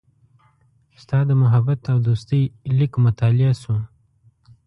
ستا د محبت او دوستۍ لیک مطالعه شو.